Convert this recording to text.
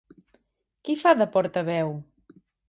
Qui fa de portaveu?